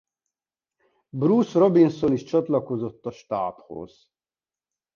Bruce Robinson is csatlakozott a stábhoz.